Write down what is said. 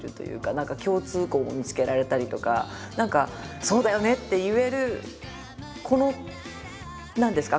何か共通項も見つけられたりとか何かそうだよねって言えるこの何ですか